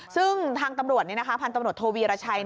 ซึ่งทางตำรวจพันธุ์ตำรวจโทวีรชัย